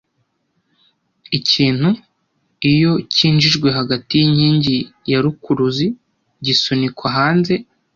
Ikintu, iyo cyinjijwe hagati yinkingi ya rukuruzi, gisunikwa hanze